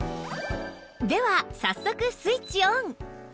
では早速スイッチオン